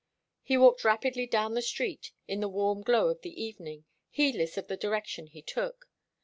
He walked rapidly down the street in the warm glow of the evening, heedless of the direction he took.